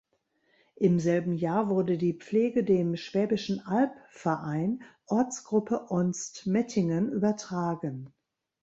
Im selben Jahr wurde die Pflege dem Schwäbischen Albverein Ortsgruppe Onstmettingen übertragen.